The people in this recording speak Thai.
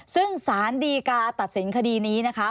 ซึ่งสารดีกาตัดสินคดีนี้นะคะ